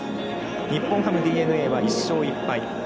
日本ハム、ＤｅＮＡは１勝１敗。